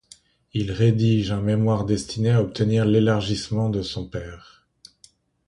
Il rédige un mémoire destiné à obtenir l’élargissement de son père.